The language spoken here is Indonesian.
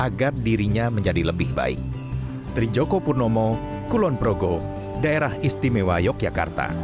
agar dirinya menjadi lebih baik